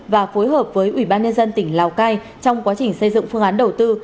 và phối hợp với ubnd tỉnh lào cai trong quá trình xây dựng phương án đầu tư